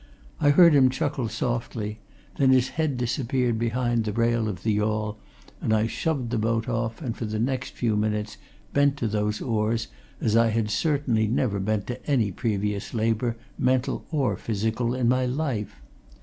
I heard him chuckle softly then his head disappeared behind the rail of the yawl, and I shoved the boat off, and for the next few minutes bent to those oars as I had certainly never bent to any previous labour, mental or physical, in my life.